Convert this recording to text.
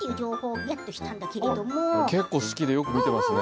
結構好きでよく見てますね。